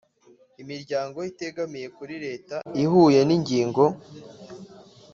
imiryango itegamiye kuri leta ihuye n’ingingo